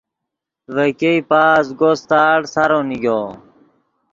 ڤے ګئے پازگو ستاڑ سارو نیگو۔